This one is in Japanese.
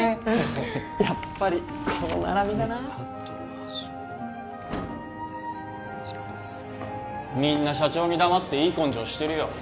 やっぱりこの並びだなであとはみんな社長に黙っていい根性してるよ